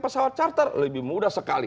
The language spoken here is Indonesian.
pesawat charter lebih mudah sekali